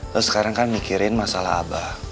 terus sekarang kan mikirin masalah abah